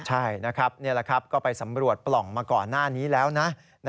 ใช่นะครับนี่แหละครับก็ไปสำรวจปล่องมาก่อนหน้านี้แล้วนะ